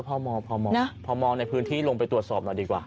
พอพมในพื้นที่ลงไปตรวจสอบหน่อยดีกว่า